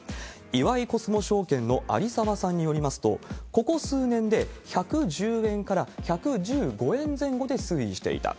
岩井コスモ証券の有沢さんによりますと、ここ数年で、１１０円から１１５円前後で推移していた。